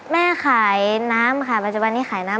แม่ขายน้ำค่ะปัจจุบันนี้ขายน้ำ